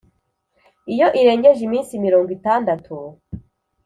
iyo irengeje iminsi mirongo itandatu